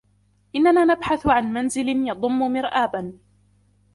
إننا نبحث عن منزل يضم مرآباً.